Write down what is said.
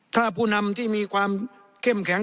ถ้าผู้นำที่มีความเข้มแข็ง